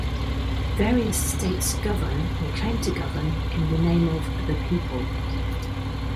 Various states govern, or claim to govern, in the name of "the people".